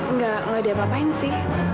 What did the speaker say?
enggak gak diapapain sih